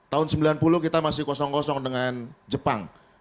tahun sembilan puluh kita masih kosong kosong dengan jepang